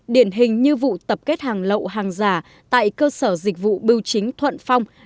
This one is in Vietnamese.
điển hình như vụ tập kết hàng lậu hàng giả tại cơ sở dịch vụ biêu chính thuận phong